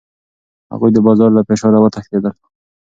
هغوی د بازار له فشاره وتښتېدل.